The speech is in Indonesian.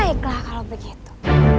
janganlah kalau begitu